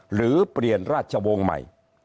หรือเปลี่ยนราชวงศ์ใหม่